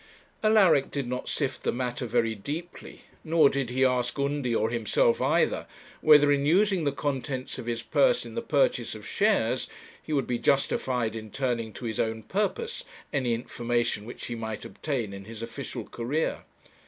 Alaric did not sift the matter very deeply, nor did he ask Undy, or himself either, whether in using the contents of his purse in the purchase of shares he would be justified in turning to his own purpose any information which he might obtain in his official career.